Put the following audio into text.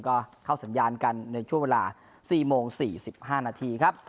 ก็เข้าสัญญาณกันในช่วงเวลา๔โมง๔๕นาทีครับ